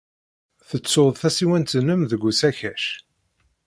Tettud tasiwant-nnem deg usakac.